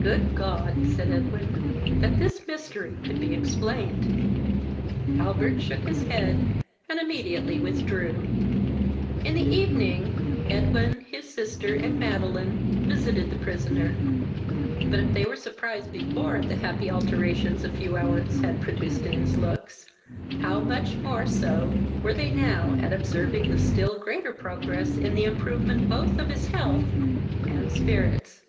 "Good God! (said Edwin,) that this mystery could be explained!" Albert shook his head, and immediately withdrew. In the evening, Edwin, his sister, and Madeline, visited the prisoner; but, if they were surprised before at the happy alteration a few hours had produced in his looks, how much more so were they now at observing the still greater progress in the improvement both of his health and spirits.